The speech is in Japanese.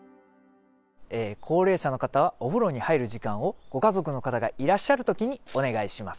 高齢者の方はお風呂に入る時間を、ご家族の方がいらっしゃるときにお願いします。